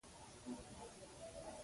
ښایست د فطرت له رازونو سره یوځای وي